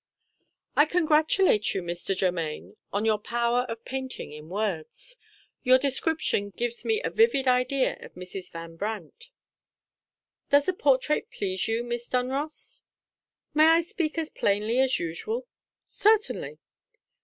"I CONGRATULATE you, Mr. Germaine, on your power of painting in words. Your description gives me a vivid idea of Mrs. Van Brandt." "Does the portrait please you, Miss Dunross?" "May I speak as plainly as usual?" "Certainly!"